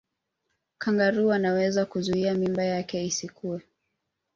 kangaroo anaweza kuzuia mimba yake isikue